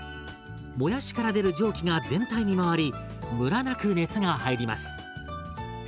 もやしから出る蒸気が全体に回りムラなく熱が入ります。